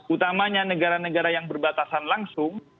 utamanya negara negara yang berbatasan langsung